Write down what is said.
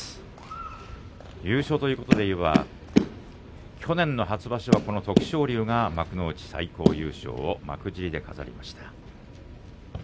優勝ということでいえば去年の初場所は徳勝龍が幕内最高優勝を幕尻で飾りました。